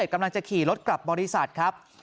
กำลังจะขี่รถกลับบริษัทครับ